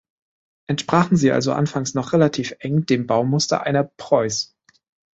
Entsprachen sie also anfangs noch relativ eng dem Baumuster einer preuß.